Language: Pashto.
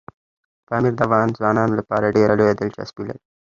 پامیر د افغان ځوانانو لپاره ډېره لویه دلچسپي لري.